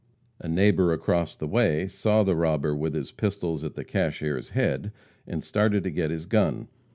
A neighbor across the way saw the robber with his pistols at the cashier's head, and started to get his gun.